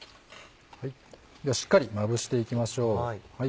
ではしっかりまぶしていきましょう。